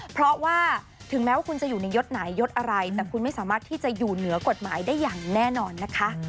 เพราะว่าถึงแม้ว่าคุณจะอยู่ในยศไหนยดอะไรแต่คุณไม่สามารถที่จะอยู่เหนือกฎหมายได้อย่างแน่นอนนะคะ